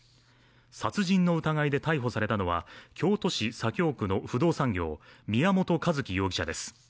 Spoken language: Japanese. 殺人の疑いで逮捕されたのは京都市左京区の不動産業宮本一希容疑者です。